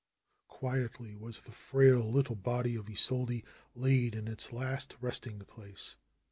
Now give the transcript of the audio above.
Quietly was the frail little body of Isolde laid in its last resting place.